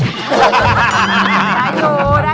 ได้โย